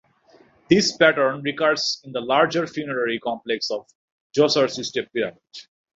This pattern recurs in the larger funerary complex of Djoser's step pyramid.